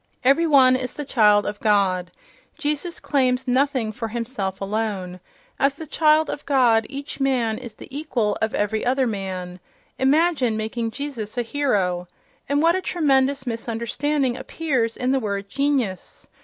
Every one is the child of God—Jesus claims nothing for himself alone—as the child of God each man is the equal of every other man.... Imagine making Jesus a hero!—And what a tremendous misunderstanding appears in the word "genius"!